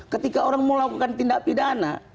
ketika orang mau melakukan tindak pidana